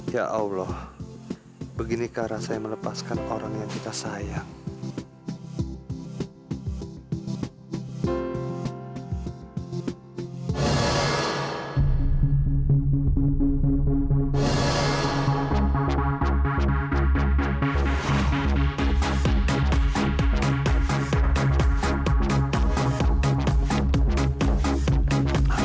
ya allah beginikah rasa yang melepaskan orang yang kita sayang